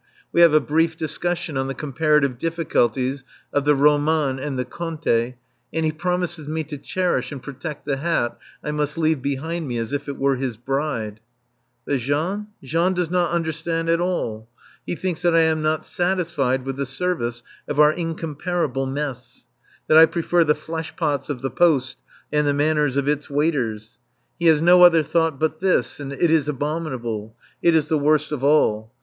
We have a brief discussion on the comparative difficulties of the roman and the conte, and he promises me to cherish and protect the hat I must leave behind me as if it were his bride. But Jean Jean does not understand at all. He thinks that I am not satisfied with the service of our incomparable mess; that I prefer the flesh pots of the "Poste" and the manners of its waiters. He has no other thought but this, and it is abominable; it is the worst of all.